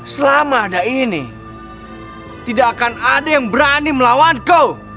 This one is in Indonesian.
selama ada ini tidak akan ada yang berani melawan kau